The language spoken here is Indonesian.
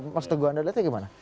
mas teguh anda lihatnya gimana